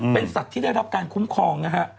เป็นสัตว์ที่ได้รับการคุ้มครองนะฮะ